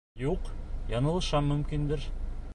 Юҡ, яңылышам, мөмкиндер.